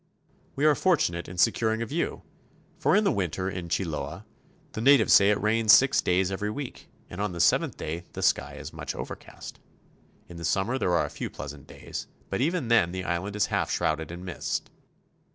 We are fortunate in securing a view, for in the winter in Chiloe the natives say it rains six days every week, and on the seventh the sky is much overcast. In the summer there are a few pleasant days, but even then the island is half shrouded in mist.